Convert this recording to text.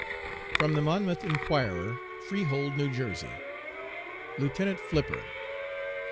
(From the Monmouth Inquirer, Freehold, N.J.) LIEUTENANT FLIPPER.